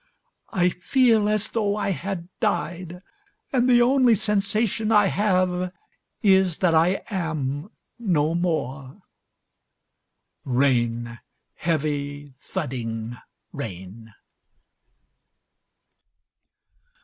"I feel as though I had died, and the only sensation I have is that I am no more." Rain! Heavy, thudding rain!